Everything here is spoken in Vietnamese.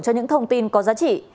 cho những thông tin có giá trị